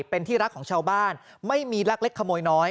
เป็นที่รักของชาวบ้านไม่มีรักเล็กขโมยน้อย